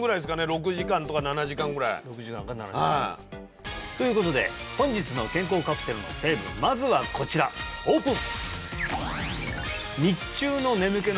６時間とか７時間ぐらいということで本日の健康カプセルの成分まずはこちらオープン！